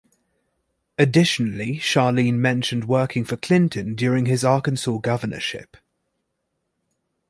Additionally Charlene mentioned working for Clinton during his Arkansas governorship.